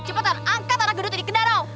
cepetan angkat anak gedut ini ke danau